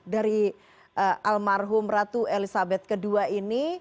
dari almarhum ratu elizabeth ii ini